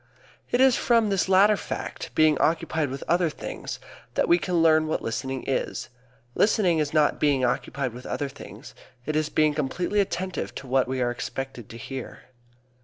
It is from this latter fact being occupied with other things that we can learn what listening is. Listening is not being occupied with other things. It is being completely attentive to what we are expected to hear.